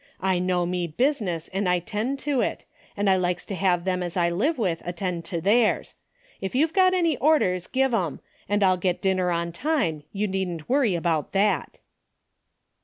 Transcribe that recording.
I know me business and I 'tend to it, and I likes to have them as I live with attend to theirs. If you've got any orders, give 'em, and I'll get dinner on time, you needn't worry about that."